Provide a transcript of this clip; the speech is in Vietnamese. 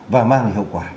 và mang lại hậu quả